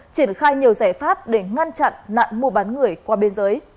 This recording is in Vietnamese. triển khai nhiều giải pháp để ngăn chặn nạn mua bán người qua biên giới